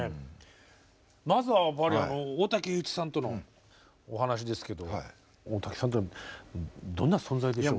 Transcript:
まずは大滝詠一さんとのお話ですけど大滝さんとはどんな存在でしょう。